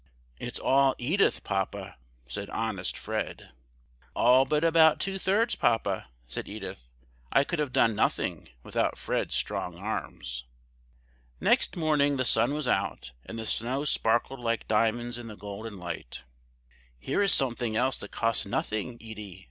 "It's all Edith, Papa!" said honest Fred. "All but about two thirds, Papa!" said Edith. "I could have done nothing without Fred's strong arms." Next morning the sun was out, and the snow sparkled like diamonds in the golden light. "Here is something else that costs nothing, Edie!"